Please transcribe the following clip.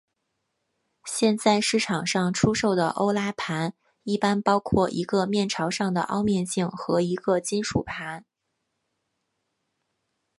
现在市场上出售的欧拉盘一般包括一个面朝上的凹面镜和一个金属盘。